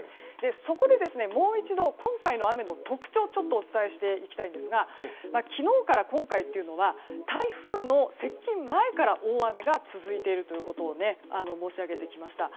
そこで、もう一度今回の雨の特徴をお伝えしますと昨日から今回というのは台風の接近前から大雨が続いているということを申し上げてきました。